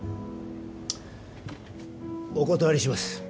お断りします。